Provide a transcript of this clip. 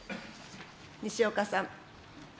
西岡さん。